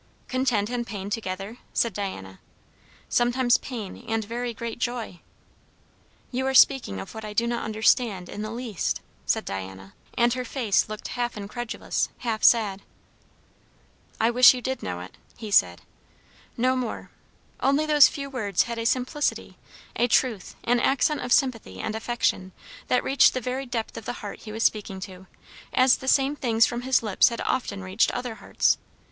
"Content and pain together?" said Diana. "Sometimes pain and very great joy." "You are speaking of what I do not understand in the least," said Diana. And her face looked half incredulous, half sad. "I wish you did know it," he said. No more; only those few words had a simplicity, a truth, an accent of sympathy and affection, that reached the very depth of the heart he was speaking to; as the same things from his lips had often reached other hearts.